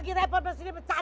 jadi deh badu dua betul